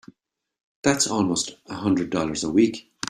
That's almost a hundred dollars a week!